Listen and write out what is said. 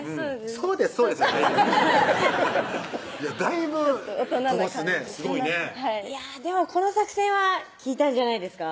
「そうですそうです」やあれへんだいぶ飛ばすねすごいねはいでもこの作戦は効いたんじゃないですか？